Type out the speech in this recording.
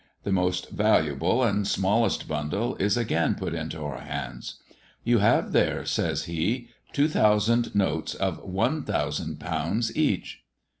The most valuable and smallest bundle is again put into our hands. "You have there," says he, "two thousand notes of one thousand pounds each."